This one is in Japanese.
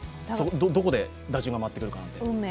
どこで打順が回ってくるか。